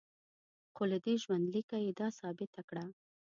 خو له دې ژوندلیکه یې دا ثابته کړه.